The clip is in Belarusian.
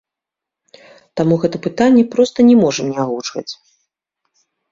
Таму гэтае пытанне проста не можам не агучваць.